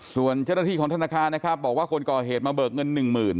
ส่วนเจ้าหน้าที่ของธนาคารนะครับบอกว่าคนก่อเหตุมาเบิกเงิน๑๐๐๐